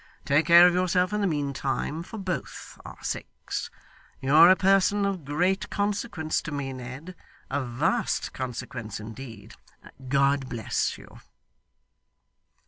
Take care of yourself in the mean time, for both our sakes. You are a person of great consequence to me, Ned of vast consequence indeed. God bless you!